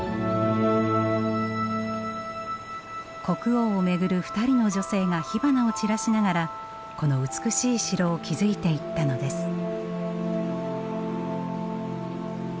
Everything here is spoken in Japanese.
国王を巡る２人の女性が火花を散らしながらこの美しい城を築いていったのです。